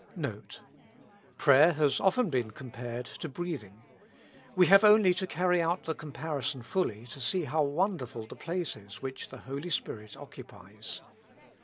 NOTE. Prayer has often been compared to breathing ; we have only to carry out the comparison fully to see how wonderful the place is which the Holy Spirit occupies.